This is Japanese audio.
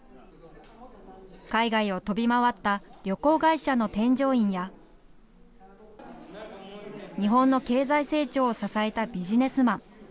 海外を飛び回った旅行会社の添乗員や、日本の経済成長を支えたビジネスマン。